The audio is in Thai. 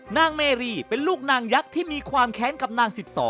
นางเมรีเป็นลูกนางยักษ์ที่มีความแค้นกับนาง๑๒